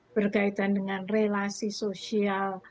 berkaitan dengan relasi sosial